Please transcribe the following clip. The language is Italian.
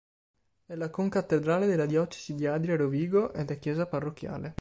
È la concattedrale della diocesi di Adria-Rovigo ed è chiesa parrocchiale.